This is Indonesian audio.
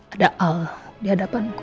ada al di hadapan ku